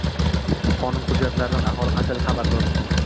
Qonun hujjatlaridan aholi qanchalik xabardor?